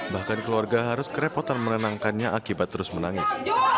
bahkan keluarga harus kerepotan menenangkannya akibat terus menangis